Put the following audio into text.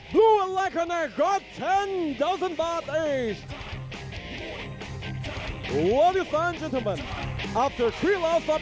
ทุกผู้ชมครับหลังจาก๓ระดับที่สุดท้าย